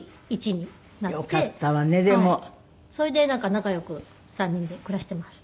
それで仲良く３人で暮らしています。